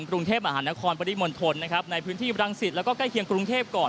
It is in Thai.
กรุงเทพมหานครปริมณฑลนะครับในพื้นที่บรังสิตแล้วก็ใกล้เคียงกรุงเทพก่อน